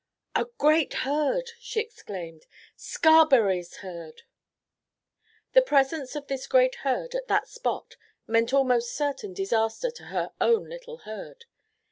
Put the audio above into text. "The great herd!" she exclaimed. "Scarberry's herd!" The presence of this great herd at that spot meant almost certain disaster to her own little herd.